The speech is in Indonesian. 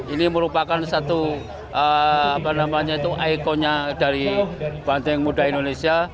ini merupakan satu ikonnya dari banteng muda indonesia